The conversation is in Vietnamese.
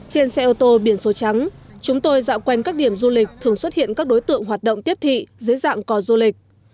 trên xe ô tô biển số trắng chúng tôi dạo quanh các điểm du lịch thường xuất hiện các đối tượng hoạt động tiếp thị dưới dạng cò du lịch